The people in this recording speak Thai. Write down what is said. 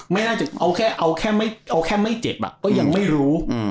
ไม่น่าจะเอาแค่ไม่เจ็บก็ยังไม่รู้